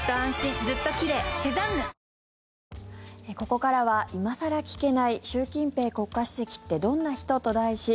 ここからは今更聞けない習近平国家主席ってどんな人？と題し